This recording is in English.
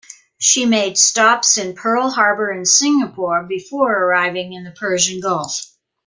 She made stops in Pearl Harbor and Singapore before arriving in the Persian Gulf.